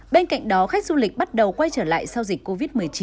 bên cạnh đó khách du lịch bắt đầu quay trở lại sau dịch covid một mươi chín